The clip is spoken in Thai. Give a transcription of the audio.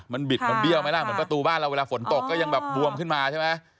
มันบิดมันเบี้ยวไหมล่ะเหมือนประตูบ้านเราเวลาฝนตกก็ยังแบบบวมขึ้นมาใช่ไหม